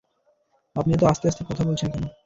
আপনি এতো আস্তে-আস্তে কথা বলছেন কেন?